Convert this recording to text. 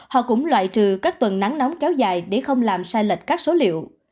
họ cũng loại trừ các tuần nắng nóng kéo dài để không làm sai lệch các số liệu